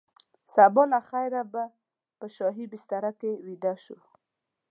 سبا له خیره به په شاهي بستره کې ویده شو.